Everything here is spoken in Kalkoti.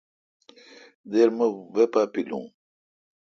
دیر مہ وی پا پیلو۔